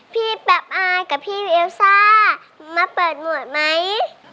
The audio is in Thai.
ปรับอายกับพี่เอลซ่ามาเปิดหมวดไหม